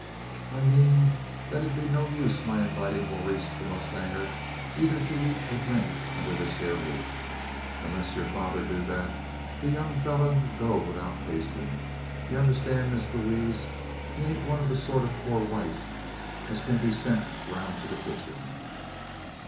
"I meaned thet it 'ud be no use o' my inviting Maurice the mowstanger eyther to eat or drink unner this hyur roof. Unless yur father do that, the young fellur 'll go 'ithout tastin'. You unnerstan, Miss Lewaze, he ain't one o' thet sort o' poor whites as kin be sent roun' to the kitchen."